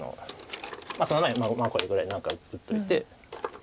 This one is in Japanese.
その前にこれぐらい何か打っといて。